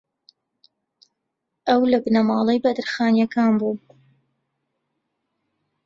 ئەو لە بنەماڵەی بەدرخانییەکان بوو